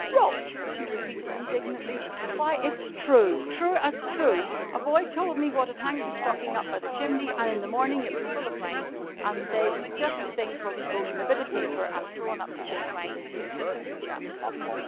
"Rot?" she repeated indignantly. "Why, it's true true as true! A boy told me wot had hanged his stocking up by the chimney an' in the morning it was full of things an' they was jus' the things wot he'd wrote on a bit of paper an' thrown up the chimney to this 'ere Christmas chap."